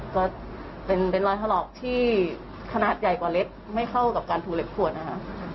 ก็เป็นรอยถลอกที่ขนาดใหญ่กว่าเล็กไม่เข้ากับการภูเหล็กขวดนะคะ